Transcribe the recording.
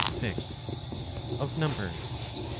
Of Numbers, 34.